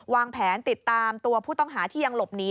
วางแผนติดตามตัวผู้ต้องหาที่ยังหลบหนี